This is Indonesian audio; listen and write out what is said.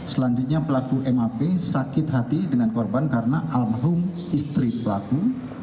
selanjutnya pelaku map sakit hati dengan korban karena almarhum istri pelaku